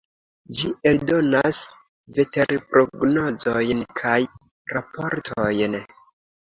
Ĝi eldonas veterprognozojn kaj raportojn.